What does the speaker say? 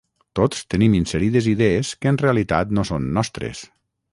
tots tenim inserides idees que en realitat no són nostres